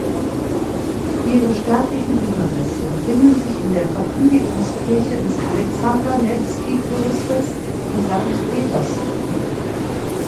Ihre sterblichen Überreste befinden sich in der Verkündigungs-Kirche des Alexander-Newski-Klosters in Sankt Petersburg.